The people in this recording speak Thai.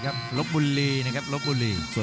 รับทราบบรรดาศักดิ์